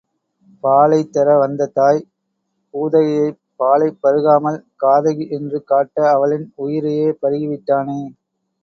பாலைத் தர வந்த தாய் பூதகியைப் பாலைப் பருகாமல் காதகி என்று காட்ட அவளின் உயிரையே பருகி விட்டானே!